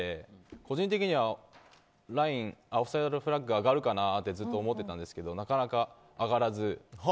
個人的にはラインオフサイドフラッグが上がるかなとずっと思ってたんですけどなかなか上がらず。